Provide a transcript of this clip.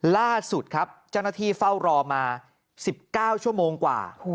ล่าสุดครับเจ้าหน้าที่เฝ้ารอมา๑๙ชั่วโมงกว่า